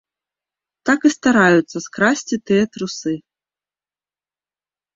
Так і стараюцца скрасці тыя трусы!